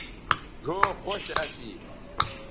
ڙھؤ خوش اسی